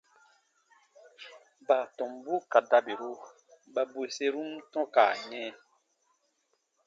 Baatɔmbu ka dabiru ba bweserun tɔ̃ka yɛ̃.